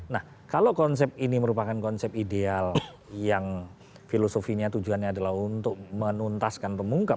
nah kalau konsep ini merupakan konsep ideal yang filosofinya tujuannya adalah untuk menuntaskan pengungkap